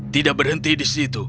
tidak berhenti di situ